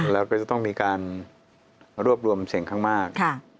แล้วก็จะต้องมีการรวบรวมเสียงข้างมาก